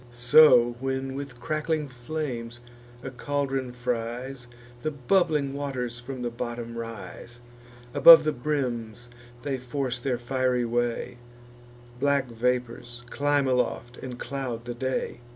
So, when with crackling flames a caldron fries, The bubbling waters from the bottom rise: Above the brims they force their fiery way; Black vapours climb aloft, and cloud the day.